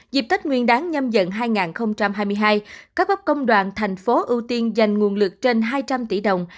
dịp tết nguyên đáng nhâm dần hai nghìn hai mươi hai các góc công đoàn thành phố ưu tiên dành nguồn lực trên hai trăm linh tỷ đồng